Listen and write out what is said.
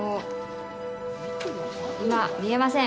今、見えません。